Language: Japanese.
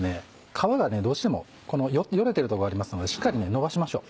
皮がどうしてもこのよれてる所がありますのでしっかりのばしましょう。